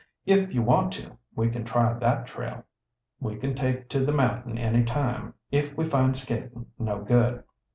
If you want to, we can try that trail. We can take to the mountain any time, if we find skating no good."